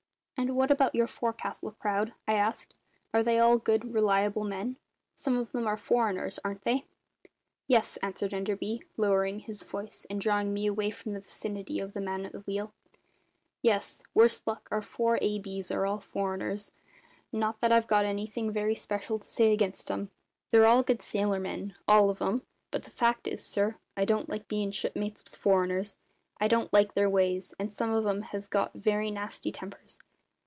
"And what about your forecastle crowd?" I asked. "Are they all good, reliable men? Some of them are foreigners, aren't they?" "Yes," answered Enderby, lowering his voice and drawing me away from the vicinity of the man at the wheel. "Yes, worse luck, our four A.B.s are all foreigners. Not that I've got anything very special to say against 'em. They're good sailor men, all of 'em; but the fact is, sir, I don't like bein' shipmates with foreigners; I don't like their ways, and some of 'em has got very nasty tempers.